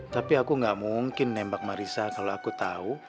tapi aku ga mungkin nembak marissa kalo aku tau